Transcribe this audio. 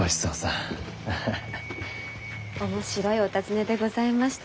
面白いお尋ねでございました。